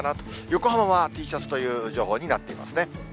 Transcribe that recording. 横浜はＴシャツという情報になっていますね。